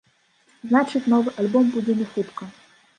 Значыць, новы альбом будзе не хутка.